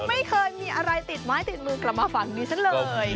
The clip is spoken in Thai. คุณไม่เคยมีอะไรติดมาติดมือกลับมาฝากด้วยก็เลย